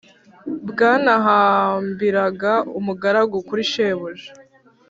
bwanahambiraga umugaragu kuri shebuja